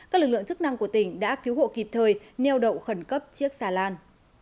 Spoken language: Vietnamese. các lực lượng chức năng của tỉnh đã cứu hộ kịp thời neo đậu khẩn cấp chiếc xà lan